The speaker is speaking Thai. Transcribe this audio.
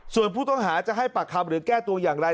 ส่วนผู้ต้องหาจะให้ปากคำหรือแก้ตัวอย่างไร